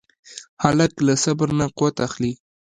هلک له صبر نه قوت اخلي.